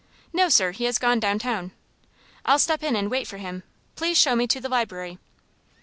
"No, sir; he has gone downtown." "I'll step in and wait for him. Please show me to the library."